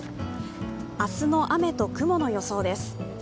明日の雨と雲の予想です。